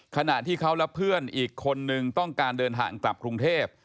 ขณะที่เขาและเพื่อนอีกคนนึงต้องการเดินทางกลับกรุงเทพ